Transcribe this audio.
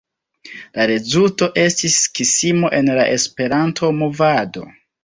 La rezulto estis skismo en la esperanto-movado.